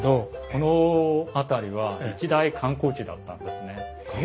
この辺りは一大観光地だったんですね。